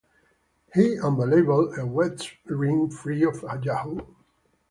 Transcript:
He unveiled a WebRing free of Yahoo!